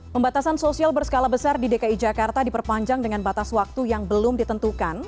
pembatasan sosial berskala besar di dki jakarta diperpanjang dengan batas waktu yang belum ditentukan